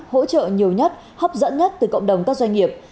hỗ trợ nhiều nhất hấp dẫn nhất từ cộng đồng các doanh nghiệp